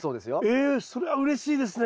ええそれはうれしいですね！